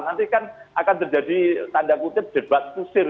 nanti kan akan terjadi tanda kutip debat kusir